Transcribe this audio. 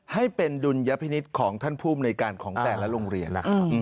ให้เป็นดุลยพินิษฐ์ของท่านภูมิในการของแต่ละโรงเรียนนะครับ